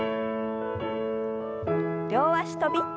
両脚跳び。